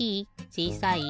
ちいさい？